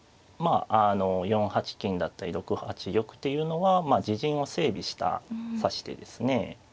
あの４八金だったり６八玉っていうのはまあ自陣を整備した指し手ですね。